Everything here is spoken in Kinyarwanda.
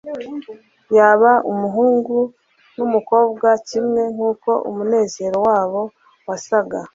yaba umuhungu numukobwa kimwe nkuko umunezero wabo wasaga